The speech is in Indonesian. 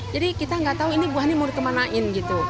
jadi kita tidak tahu ini buahnya mau dikemanain gitu